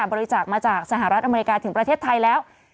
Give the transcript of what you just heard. บริจาคมาจากสหรัฐอเมริกาถึงประเทศไทยแล้ว